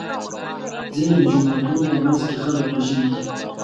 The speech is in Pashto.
ځینې د جوماتونو په منځ کې خلک وژلي دي.